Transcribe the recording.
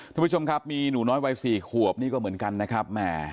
ทุกผู้ชมครับมีหนูน้อยวัย๔ขวบนี่ก็เหมือนกันนะครับ